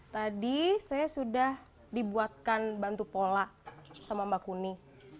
tadi saya sudah dibuatkan bantu pola sama mbak kuni